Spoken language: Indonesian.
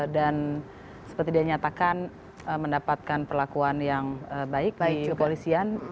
dan seperti dia nyatakan mendapatkan perlakuan yang baik di kepolisian